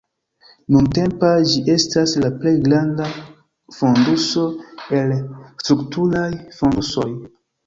Nuntempa ĝi estas la plej granda fonduso el strukturaj fondusoj.